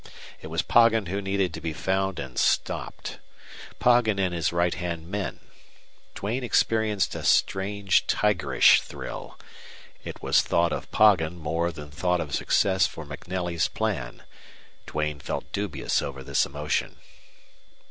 It was Poggin who needed to be found and stopped. Poggin and his right hand men! Duane experienced a strange, tigerish thrill. It was thought of Poggin more than thought of success for MacNelly's plan. Duane felt dubious over this emotion.